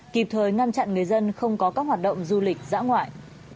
kịp thời ngăn chặn người dân không có các hoạt động du lịch dã ngoại